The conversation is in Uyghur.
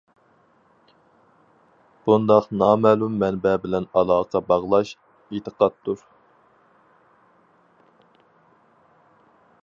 بۇنداق نامەلۇم مەنبە بىلەن ئالاقە باغلاش، ئېتىقادتۇر.